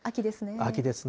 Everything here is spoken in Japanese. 秋ですね。